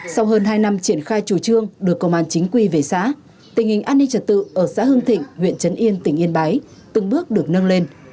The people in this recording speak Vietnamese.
sau hơn hai năm triển khai chủ trương đưa công an chính quy về xã tình hình an ninh trật tự ở xã hưng thịnh huyện trấn yên tỉnh yên bái từng bước được nâng lên